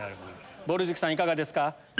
ぼる塾さんいかがですか？